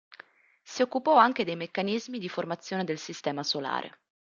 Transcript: Si occupò anche dei meccanismi di formazione del sistema solare.